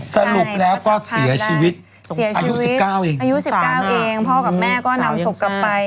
สรุปแล้วก็เสียชีวิตอายุ๑๙เองอายุ๑๙เองพ่อกับแม่ก็นำศพกลับไป